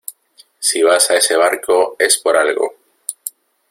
si vas a ese barco es por algo.